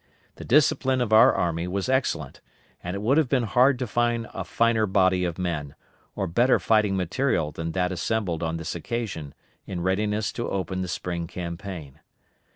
The discipline of our army was excellent, and it would have been hard to find a finer body of men, or better fighting material than that assembled on this occasion, in readiness to open the spring campaign.